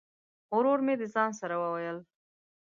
ورور مي د ځان سره وویل !